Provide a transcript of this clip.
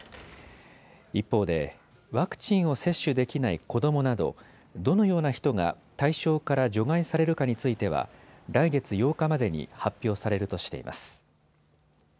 一方でワクチンを接種できない子どもなどどのような人が対象から除外されるかについては来月８日までに発表されるとしています。